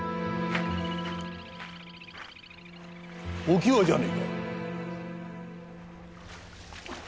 おきわじゃねえか。